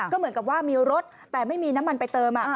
ก็เหมือนกับว่ามีรถแต่ไม่มีน้ำมันไปเติม